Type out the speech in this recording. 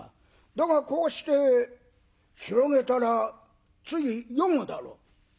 だがこうして広げたらつい読むだろう」。